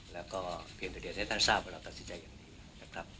แล้วก็เพียงแต่เรียนให้ท่านทราบว่าเราตัดสินใจอย่างดีนะครับ